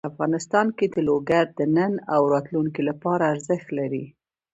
افغانستان کې لوگر د نن او راتلونکي لپاره ارزښت لري.